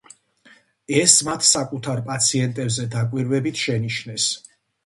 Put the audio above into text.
ეს მათ საკუთარ პაციენტებზე დაკვირვებით შენიშნეს.